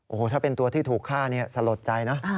โอ้โหถ้าเป็นตัวที่ถูกฆ่าสลดใจนะ